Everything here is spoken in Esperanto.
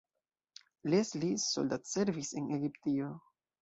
Leslie soldatservis en Egiptio.